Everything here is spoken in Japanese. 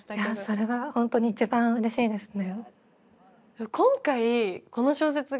それは本当に一番うれしいですね。